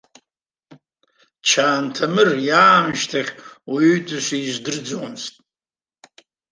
Чанҭамыр иаамышьҭахь уаҩытәыҩса издырӡом.